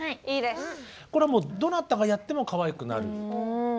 これはどなたがやってもかわいくなる。